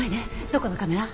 どこのカメラ？